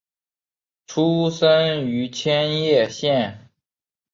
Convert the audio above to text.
出身于千叶县。